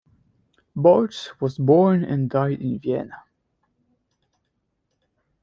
Bartsch was born and died in Vienna.